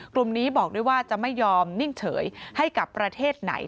กลุ่มนี้บอกด้วยว่าจะไม่ยอมนิ่งเฉยให้กับประเทศไหน